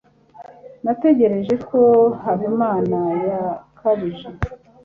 natekereje ko habimana yakabije